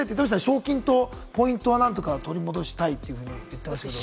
賞金とポイントは何とか取り戻したいと言ってましたね。